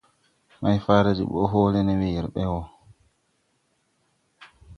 Mayfaada de ɓɔʼ hɔɔlɛ ne weere ɓɛ wɔ.